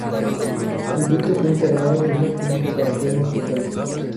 El duque fue internado en una clínica para enfermos mentales.